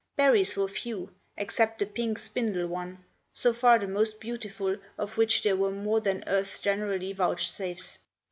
Berries were few, except the pink spindle one, so far the most beautiful, of which there were more than Earth generally vouchsafes.